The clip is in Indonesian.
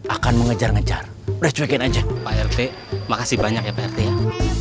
akan mengejar ngejar rejwekin aja pak rt makasih banyak ya pak rt ya